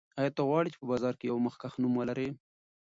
آیا ته غواړې چې په بازار کې یو مخکښ نوم ولرې؟